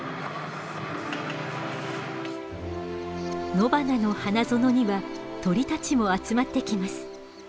野花の花園には鳥たちも集まってきます。